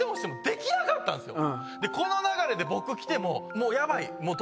この流れで僕来ても。